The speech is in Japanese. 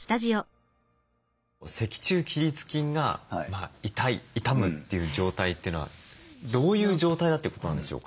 脊柱起立筋が痛い痛むという状態というのはどういう状態だということなんでしょうか？